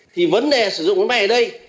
thì vấn đề sử dụng máy bay ở đây